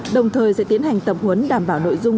đồng thời sẽ tiến hành tập huấn đảm bảo nội dung